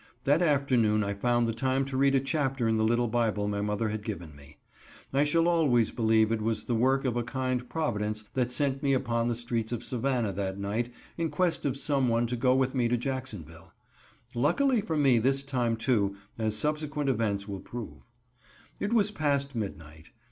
That afternoon I found the time to read a chapter in the little Bible my mother had given me. I shall always believe it was the work of a kind Providence that sent me upon the streets of Savannah that night in quest of some one to go with me to Jacksonville. Luckily for me this time too, as subsequent events will prove. It was past midnight.